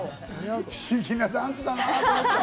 不思議なダンスだなと思った。